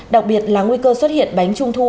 đặc biệt là nguy cơ xuất hiện bánh trung thu